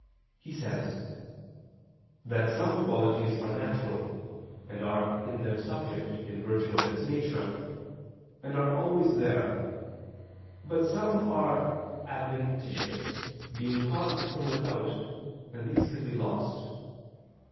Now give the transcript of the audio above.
He says "that some qualities are natural, and are in their subject in virtue of its nature, and are always there: but some are adventitious, being caused from without, and these can be lost.